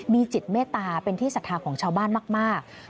มีจิตเมตตาเป็นที่ศรัทธาของชาวบ้านมาก